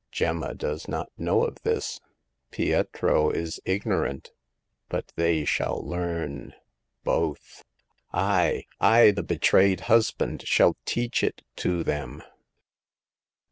Gemma does not know of this ; Pietro is ignorant ; but they shall learn — both. I — I, the betrayed hus band, shall teach it to them."